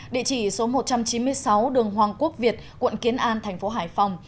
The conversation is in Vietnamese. địa chỉ số một trăm chín mươi sáu đường hoàng quốc việt quận kiến an thành phố hải phòng